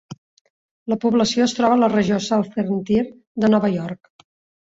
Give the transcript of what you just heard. La població es troba a la regió Southern Tier de Nova York.